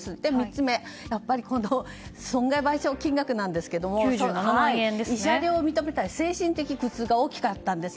３つ目、やっぱり損害賠償金額なんですけど慰謝料を認めたのは精神的苦痛が大きかったんです。